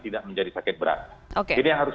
tidak menjadi sakit berat jadi yang harus